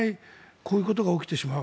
こういうことが起きてしまう。